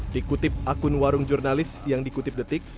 dikutip akun warung jurnalis yang dikutip detik